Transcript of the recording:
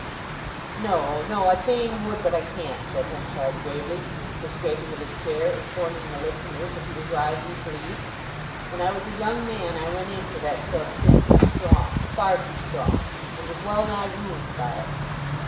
"No, no; I fain would, but I can't," said Henchard gravely, the scraping of his chair informing the listeners that he was rising to leave. "When I was a young man I went in for that sort of thing too strong—far too strong—and was well nigh ruined by it!